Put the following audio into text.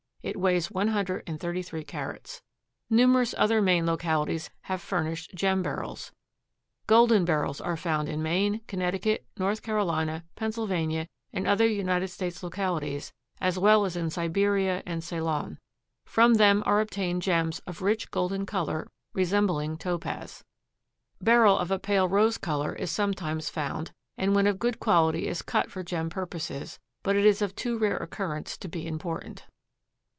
It weighs one hundred and thirty three carats. Numerous other Maine localities have furnished gem Beryls. Golden Beryls are found in Maine, Connecticut, North Carolina, Pennsylvania and other United States localities, as well as in Siberia and Ceylon. From them are obtained gems of rich golden color resembling topaz. Beryl of a pale rose color is sometimes found, and when of good quality is cut for gem purposes, but it is of too rare occurrence to be important.